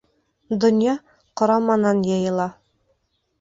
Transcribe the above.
Донъя ҡораманан йыйыла.